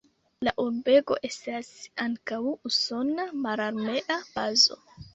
La urbego estas ankaŭ usona mararmea bazo.